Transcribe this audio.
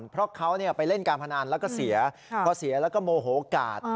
เพราะเขาไปเล่นการพนันแล้วก็เสียพอเสียแล้วก็โมโหกาด